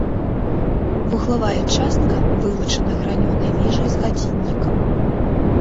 Вуглавая частка вылучана гранёнай вежай з гадзіннікам.